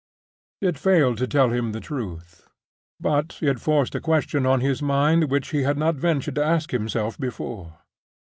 It failed to tell him the truth; but it forced a question on his mind which he had not ventured to ask himself before.